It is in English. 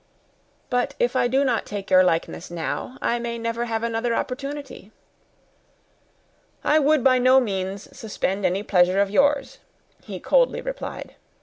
"But if I do not take your likeness now, I may never have another opportunity." "I would by no means suspend any pleasure of yours," he coldly replied.